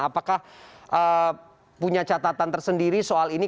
apakah punya catatan tersendiri soal ini